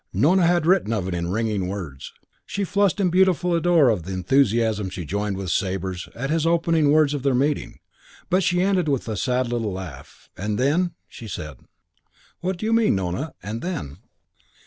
Nona had written of it in ringing words. She flushed in beautiful ardour of the enthusiasm she joined with Sabre's at his opening words of their meeting; but she ended with a sad little laugh. "And then!" she said. "What do you mean, Nona, 'And then'?"